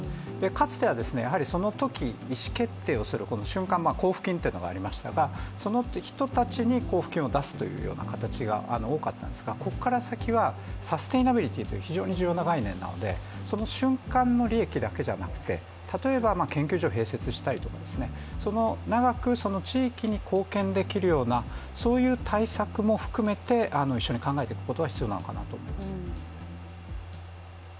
かつてはそのとき、意思決定をする、交付金というのがありましたが、その人たちに交付金を出すというような形が多かったんですが、ここから先はサステイナビリティーという非常に重要な概念なのでその瞬間の利益だけじゃなくて、例えば研究所を併設したりですとか、その長く地域に貢献できるようなそういう対策も含めて、一緒に考えていくことが必要なのかなと思います。